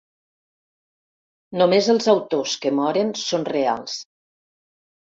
Només els autors que moren són reals.